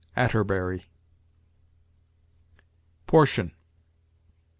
Atterbury. PORTION.